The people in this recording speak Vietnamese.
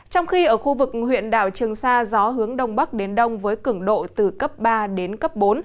trong khi ở khu vực huyện đảo trường sa gió hướng đông bắc đến đông với cường độ từ cấp ba đến cấp bốn